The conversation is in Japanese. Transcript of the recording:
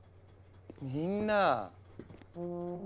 みんな。